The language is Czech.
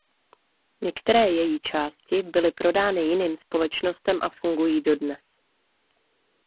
Některé její části byly prodány jiným společnostem a fungují dodnes.